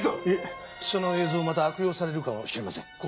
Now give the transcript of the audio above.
いえその映像をまた悪用されるかもしれません。